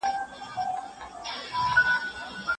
له ما مه غواړئ سندري د صیاد په پنجره کي